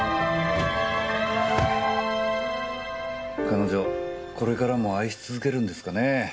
彼女これからも愛し続けるんですかねぇ。